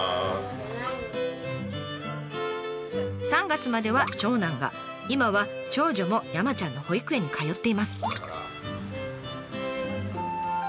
３月までは長男が今は長女も山ちゃんの保育園に通っています。